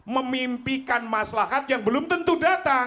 memimpikan masyarakat yang belum tentu datang